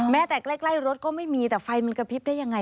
แม้แต่ใกล้รถก็ไม่มีแต่ไฟมันกระพริบได้ยังไง